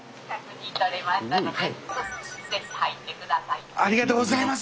こちらがありがとうございます。